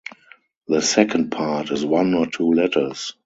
The second part is one or two letters.